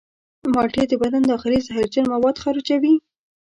مالټې د بدن داخلي زهرجن مواد خارجوي.